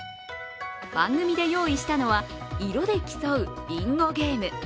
番組で用意したのは色で競うビンゴゲーム。